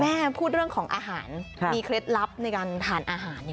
แม่พูดเรื่องของอาหารมีเคล็ดลับในการทานอาหาร